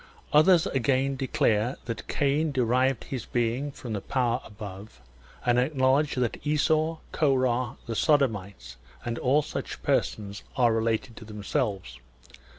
Others again declare that Cain derived his being from the Power above, and acknowledge that Esau, Korah, the Sodomites, and all such persons, are related to themselves.